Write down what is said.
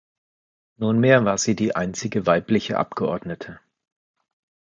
Nunmehr war sie die einzige weibliche Abgeordnete.